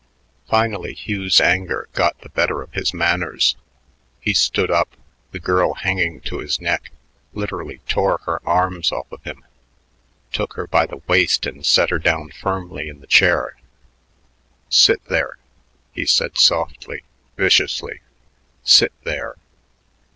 Finally Hugh's anger got the better of his manners; he stood up, the girl hanging to his neck, literally tore her arms off of him, took her by the waist and set her down firmly in the chair. "Sit there," he said softly, viciously; "sit there."